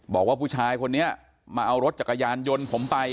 บอกว่าผู้ชายคนนี้มาเอารถจักรยานยนต์ผมไป